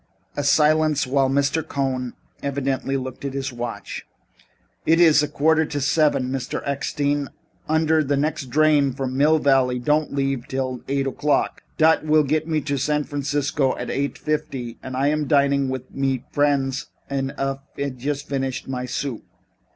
A silence while B. Cohn evidently looked at his watch. "It iss now a quarter of seven, Mr. Eckstein, und der nexd drain from Mill Valley don't leaf until eight o'clock. Dot vill get me to San Francisco at eight fifty und I am dining mit friends und haf just finished my soup."